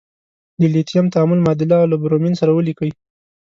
د لیتیم تعامل معادله له برومین سره ولیکئ.